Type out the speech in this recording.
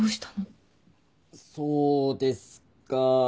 そうですか。